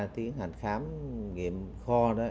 tiến hành khám nghiệm kho đó